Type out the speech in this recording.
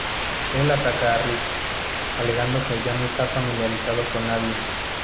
Él ataca a Rick, alegando que ya no está familiarizado con nadie.